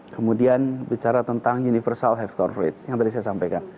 kemudian bicara tentang universal health corporate yang tadi saya sampaikan